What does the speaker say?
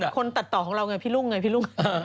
คนตัดต่อของเราไงพี่รุ่งไงพี่รุ่ง